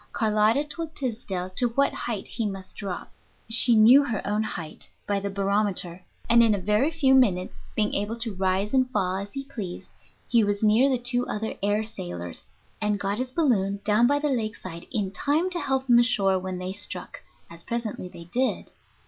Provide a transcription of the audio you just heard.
Carlotta told Tysdell to what height he must drop (she knew her own height by the barometer), and in a very few minutes, being able to rise and fall as he pleased, he was near the two other air sailors, and got his balloon down by the lake side in time to help them ashore when they struck, as presently they did.